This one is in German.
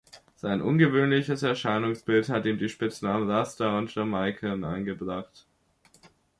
Sein ungewöhnliches Erscheinungsbild hat ihm die Spitznamen „Rasta“ und „Jamaican“ eingebracht.